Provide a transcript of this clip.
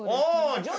ああ。